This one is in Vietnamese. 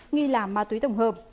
nghi là ma túy tổng hợp